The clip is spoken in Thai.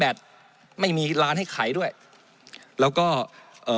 มันตรวจหาได้ระยะไกลตั้ง๗๐๐เมตรครับ